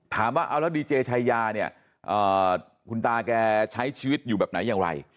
ถามว่าเอาแล้วดีเจชายาเนี่ยคุณตาแกใช้ชีวิตอยู่แบบไหนอย่างไร